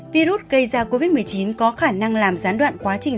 virus gây ra covid một mươi chín có khả năng làm gián đoạn quá trình